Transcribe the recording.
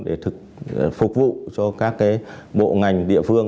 để phục vụ cho các bộ ngành địa phương